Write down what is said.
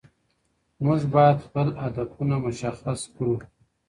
موږ باید خپل هدفونه مشخص کړو.